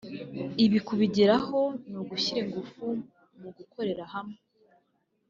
Ibi kubigeraho ni ugushyira ingufu mu gukorera hamwe